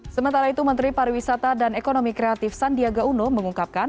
sementara itu menteri pariwisata dan ekonomi kreatif sandiaga uno mengungkapkan